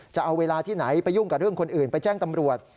จะเอาเวลาที่ไหนไปยุ่งกับเรื่องคนอื่นไปแจ้งตำรวจ